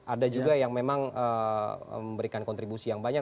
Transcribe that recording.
ada juga yang memang memberikan kontribusi yang banyak